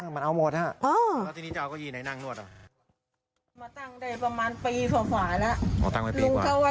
มันเอาหมดฮะแล้วทีนี้จะเอาเก้าอี้ไหนนั่งนวดอ่ะ